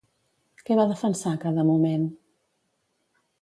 Què va defensar a cada moment?